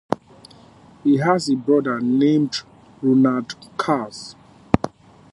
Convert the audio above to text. He has a brother named Ronald Carr.